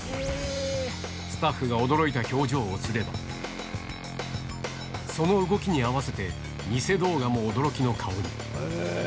スタッフが驚いた表情をすれば、その動きに合わせて、偽動画も驚きの顔に。